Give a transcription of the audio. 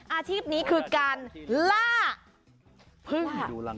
อาชีพนี้คือการล่าพึ่ง